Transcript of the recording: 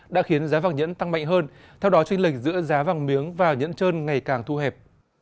đã khiến giá vàng nhẫn tăng mạnh hơn theo đó trinh lệch giữa giá vàng miếng và nhẫn trơn ngày càng thu hẹp